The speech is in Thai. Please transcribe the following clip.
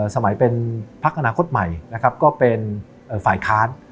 สมัยเป็นพักอนาคตใหม่นะครับก็เป็นฝ่ายค้าน